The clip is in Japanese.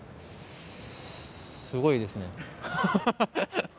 すごいですね。